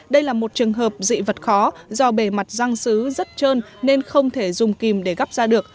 đây là một trường hợp dị vật khó do bề mặt răng xứ rất trơn nên không thể dùng kìm để gắp ra được